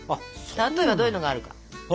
例えばどういうのがあるか。